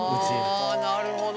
あなるほど！